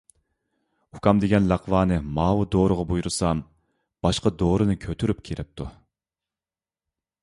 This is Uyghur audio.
ئۇكام دېگەن لەقۋانى ماۋۇ دورىغا بۇيرۇسام، باشقا دورىنى كۆتۈرۈپ كىرىپتۇ.